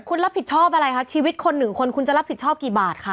คุณรับผิดชอบอะไรคะชีวิตคนหนึ่งคนคุณจะรับผิดชอบกี่บาทคะ